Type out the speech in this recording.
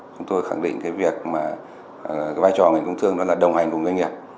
chúng tôi khẳng định vai trò ngành công thương đó là đồng hành cùng doanh nghiệp